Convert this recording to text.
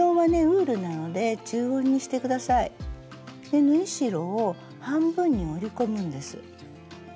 で縫い代を半分に折り込むんです。